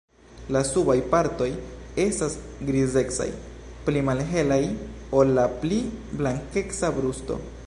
La subaj partoj estas grizecaj, pli malhelaj ol la pli blankeca brusto.